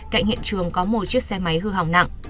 cạnh hiện trường có một chiếc xe máy hư hỏng nặng